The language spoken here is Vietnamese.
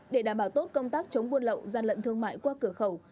để đảm bảo tốt công tác chống buôn lậu gian lận thương mại qua cửa khẩu